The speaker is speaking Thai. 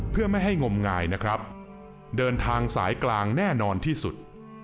เพื่อไม่ให้งมงายนะครับเดินทางสายกลางแน่นอนที่สุด